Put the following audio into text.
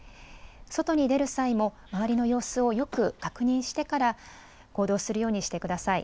外に出る際も周りの様子をよく確認してから行動するようにしてください。